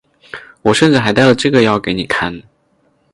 我甚至还带了这个要给你看